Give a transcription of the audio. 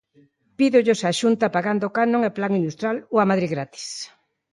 Pídollos á Xunta, pagando canon e plan industrial, ou a Madrid gratis?